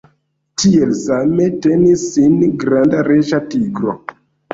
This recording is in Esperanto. Tiel same tenis sin granda reĝa tigro.